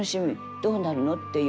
どうなるの？っていう。